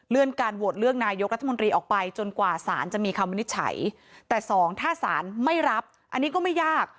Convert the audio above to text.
การโหวตเลือกนายกรัฐมนตรีออกไปจนกว่าสารจะมีคำวินิจฉัยแต่สองถ้าสารไม่รับอันนี้ก็ไม่ยาก